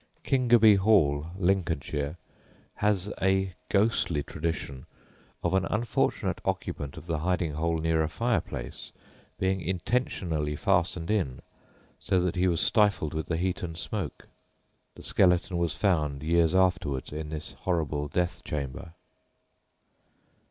Kingerby Hall, Lincolnshire, has a ghostly tradition of an unfortunate occupant of the hiding hole near a fireplace being intentionally fastened in so that he was stifled with the heat and smoke; the skeleton was found years afterwards in this horrible death chamber.